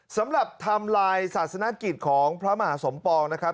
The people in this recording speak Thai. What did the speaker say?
สำหรับทำลายศาสนกิจของพระมหาสมปองนะครับ